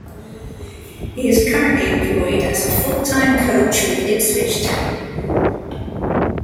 He is currently employed as a full-time coach with Ipswich Town.